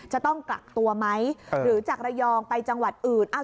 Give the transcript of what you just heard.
จะต้องกักตัวไหมหรือจากระยองไปจังหวัดอื่น